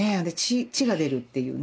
血が出るっていうね